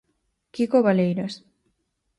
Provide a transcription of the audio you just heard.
Quico Valeiras.